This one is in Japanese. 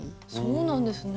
そうなんですね。